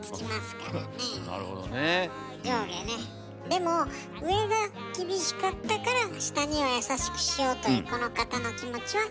でも上が厳しかったから下には優しくしようというこの方の気持ちは優しい大事な気持ちだと思います。